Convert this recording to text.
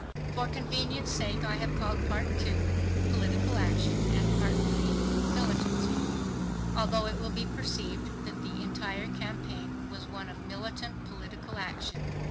For convenience sake I have called Part II "Political Action," and Part III "Militancy," although it will be perceived that the entire campaign was one of militant political action.